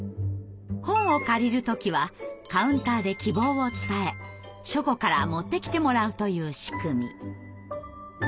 本を借りる時はカウンターで希望を伝え書庫から持ってきてもらうという仕組み。